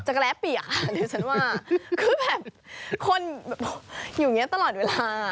จักรแร้เปียกคือแบบคนอยู่อย่างนี้ตลอดเวลา